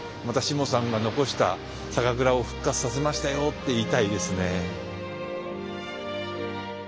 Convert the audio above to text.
またしもさんが残した酒蔵を復活させましたよって言いたいですね。